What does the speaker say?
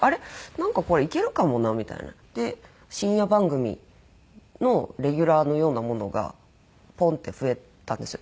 なんかこれいけるかもなみたいになって深夜番組のレギュラーのようなものがポンって増えたんですよ